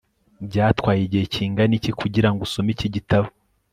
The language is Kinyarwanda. byatwaye igihe kingana iki kugirango usome iki gitabo